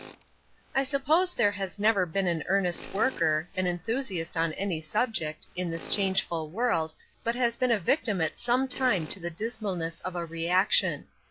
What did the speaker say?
I SUPPOSE there has never been an earnest worker, an enthusiast on any subject, in this changeful world, but has been a victim at some time to the dismalness of a reaction.